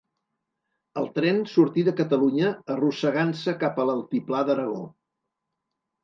El tren sortí de Catalunya arrossegant-se cap a l'altiplà d'Aragó